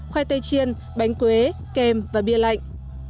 khoai tây chiên bánh quế kèm và bia lạnh